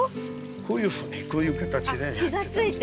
こういうふうにこういう形で。膝ついて？